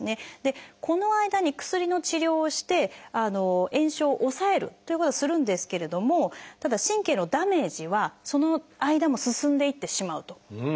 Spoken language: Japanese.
この間に薬の治療をして炎症を抑えるということをするんですけれどもただ神経のダメージはその間も進んでいってしまうということなんです。